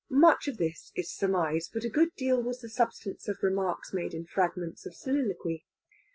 Much of this is surmise, but a good deal was the substance of remarks made in fragments of soliloquy.